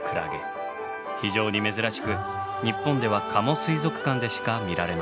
非常に珍しく日本では加茂水族館でしか見られません。